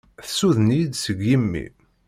Tessuden-iyi-d seg yimi.